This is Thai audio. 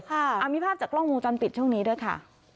เอามีภาพจากกล้องวงจรปิดช่วงนี้ด้วยค่ะ